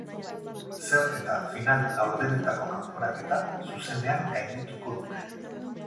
Zer eta final laurdenetako kanporaketa zuzenean gaindituko dute.